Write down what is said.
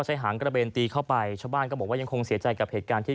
หางกระเบนตีเข้าไปชาวบ้านก็บอกว่ายังคงเสียใจกับเหตุการณ์ที่